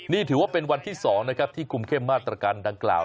นี่ถือว่าเป็นวันที่๒นะครับที่คุมเข้มมาตรการดังกล่าว